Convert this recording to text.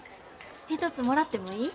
一つもらってもいい？